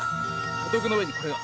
仏の上にこれが。